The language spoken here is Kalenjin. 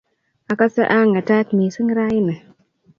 Agase ko a ng'etat msing ra ini.